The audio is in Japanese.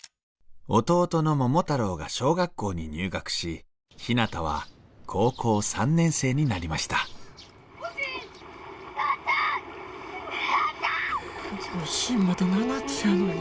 弟の桃太郎が小学校に入学しひなたは高校３年生になりました「おしん！」。